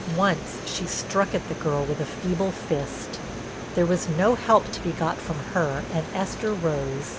Once she struck at the girl with a feeble fist. There was no help to be got from her and Esther rose.